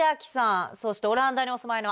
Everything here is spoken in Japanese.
そしてオランダにお住まいの。